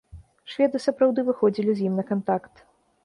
Шведы сапраўды выходзілі з ім на кантакт.